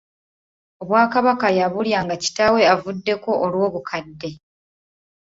Obwakabaka yabulya nga kitaawe abuvuddeko olw'obukadde.